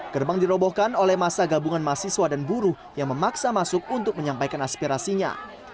gerbang dirobohkan oleh masa gabungan mahasiswa dan buruh yang memaksa masuk untuk menyampaikan aspirasinya